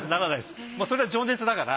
それは情熱だから。